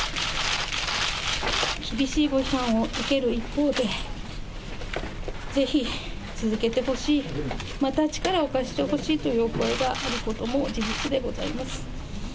厳しいご批判を受ける一方で、ぜひ続けてほしい、また力を貸してほしいという声があることも事実でございます。